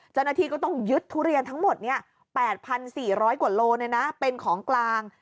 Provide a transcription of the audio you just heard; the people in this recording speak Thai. เจ้าหน้าที่ก็ต้องยึดทุเรียนทั้งหมดเนี่ยแปดพันสี่ร้อยกว่าโลเนี่ยนะเป็นของกลาง